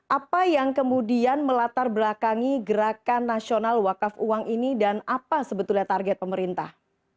apa yang kemudian melatar belakangi gerakan nasional wakaf uang ini dan apa sebetulnya target pemerintah